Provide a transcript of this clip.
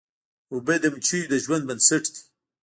اوبه د مچیو د ژوند بنسټ دي.